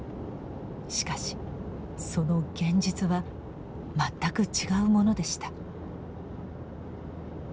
しかしその現実は全く違うものでした。